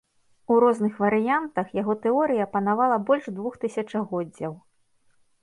У розных варыянтах яго тэорыя панавала больш двух тысячагоддзяў.